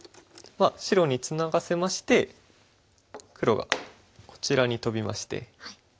白にツナがせまして黒がこちらにトビまして。